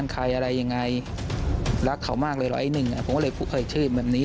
ว่าสามารถเปิดแบบนี้